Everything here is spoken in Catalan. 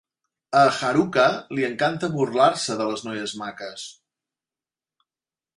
A Haruka li encanta burlar-se de les noies maques.